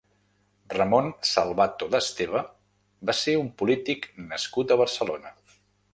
Ramon Salvato de Esteve va ser un polític nascut a Barcelona.